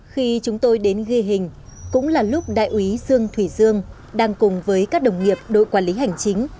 khi chúng tôi đến ghi hình cũng là lúc đại úy dương thủy dương đang cùng với các đồng nghiệp đội quản lý hành chính